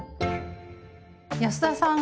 安田さん